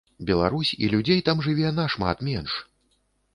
Беларусь, і людзей там жыве нашмат менш!